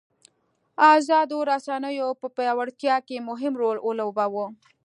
ازادو رسنیو په پیاوړتیا کې مهم رول ولوباوه.